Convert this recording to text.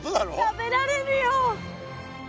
食べられるよ！